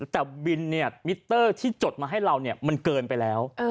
แต่บินเนี่ยมิเตอร์ที่จดมาให้เรามันเกินไปแล้ว